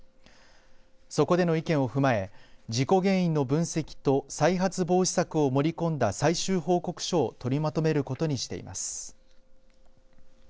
そこでの意見を踏まえ事故原因の分析と再発防止策を盛り込んだ最終報告書を取りまとめることにしています。